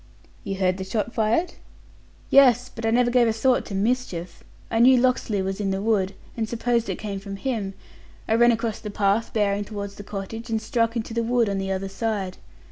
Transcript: "You heard the shot fired?" "Yes; but I never gave a thought to mischief. I knew Locksley was in the wood, and supposed it came from him. I ran across the path, bearing toward the cottage, and struck into the wood on the other side.